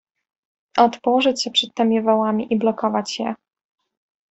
"Ot, położyć się przed temi wałami i blokować je."